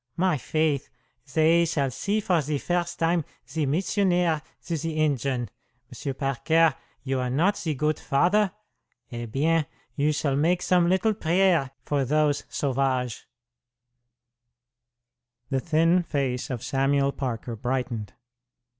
My faith! Zay shall see for ze first time ze missionaire to ze Injin! M'sieu' Parker, you are not ze good father? Eh bien, you shall make some little priere for those sauvages." The thin face of Samuel Parker brightened.